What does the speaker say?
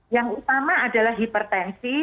yang utama adalah hipertensi